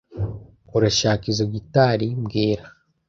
Urashaka izoi gitari mbwira